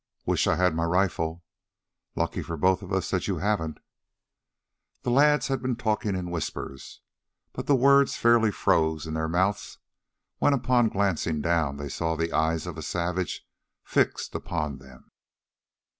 "Wish I had my rifle." "Lucky for both of us that you haven't." The lads had been talking in whispers, but the words fairly froze in their mouths, when, upon glancing down they saw the eyes of a savage fixed upon them.